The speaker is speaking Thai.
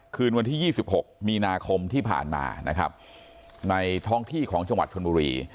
คืนวันที่๒๖มีนาคมที่ผ่านมานะครับในท้องที่ของจังหวัดชนบุรี